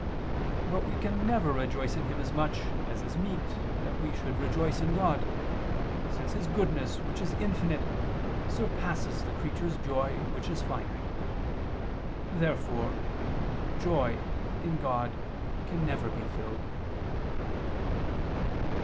But we can never rejoice in Him as much as it is meet that we should rejoice in God, since His goodness which is infinite, surpasses the creature's joy which is finite. Therefore joy in God can never be filled.